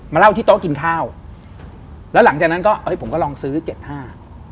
เล่าที่โต๊ะกินข้าวแล้วหลังจากนั้นก็เอ้ยผมก็ลองซื้อเจ็ดห้า